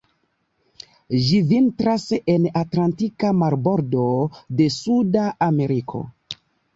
Ĝi vintras en atlantika marbordo de Suda Ameriko.